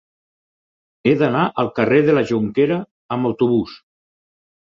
He d'anar al carrer de la Jonquera amb autobús.